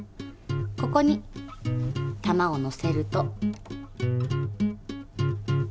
ここに玉をのせると。